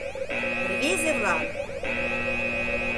Рвезе-влак!